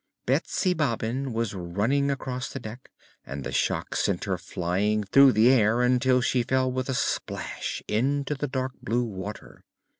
Betsy Bobbin was running across the deck and the shock sent her flying through the air until she fell with a splash into the dark blue water.